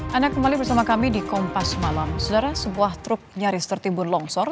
hai anak kembali bersama kami di kompas malam sejarah sebuah truk nyaris tertimbun longsor